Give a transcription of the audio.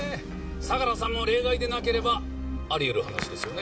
相良さんも例外でなければあり得る話ですよね。